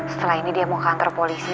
setelah ini dia mau kantor polisi